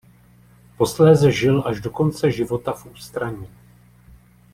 Posléze žil až do konce života v ústraní.